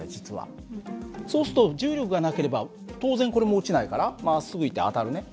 そうすると重力がなければ当然これも落ちないからまっすぐ行って当たるね。